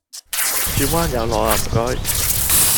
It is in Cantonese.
轉彎有落呀唔該